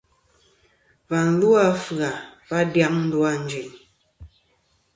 Và lu a Anjaŋ va dyaŋ ndu a Ànjin.